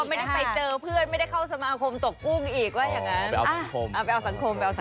ไม่ได้ไปเจอเพื่อนไม่ได้เข้าสมาคมตกกุ้งอีกว่าอย่างนั้น